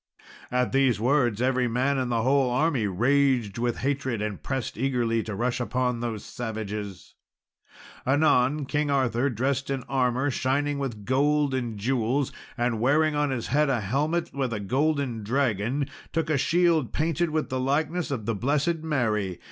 At these words every man in the whole army raged with hatred, and pressed eagerly to rush upon those savages. Anon King Arthur, dressed in armour shining with gold and jewels, and wearing on his head a helmet with a golden dragon, took a shield painted with the likeness of the blessed Mary.